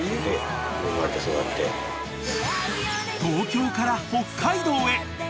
［東京から北海道へ］